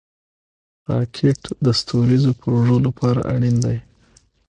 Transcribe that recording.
راکټ د ستوریزو پروژو لپاره اړین دی